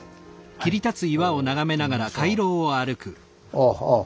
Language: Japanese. あっああ